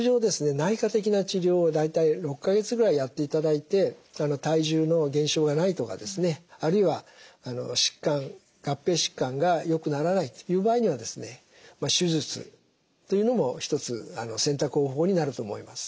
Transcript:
内科的な治療を大体６か月ぐらいやっていただいて体重の減少がないとかですねあるいは疾患合併疾患がよくならないという場合にはですね手術というのも一つ選択方法になると思います。